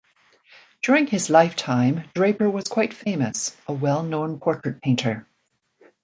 During his lifetime Draper was quite famous, a well-known portrait painter.